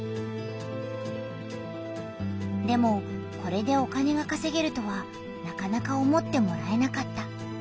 でもこれでお金がかせげるとはなかなか思ってもらえなかった。